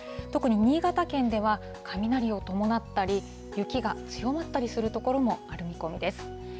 特に新潟県では、雷を伴ったり、雪が強まったりする所もある見込みです。